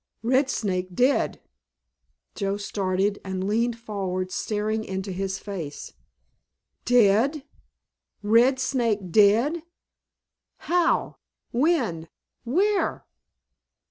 "Red Snake dead." Joe started, and leaned forward staring into his face. "Dead? Red Snake dead? How? When? Where?"